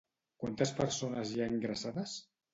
Quantes persones hi ha ingressades?